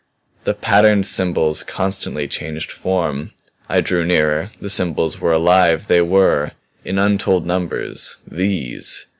"The patterned symbols constantly changed form. I drew nearer the symbols were alive. They were, in untold numbers These!"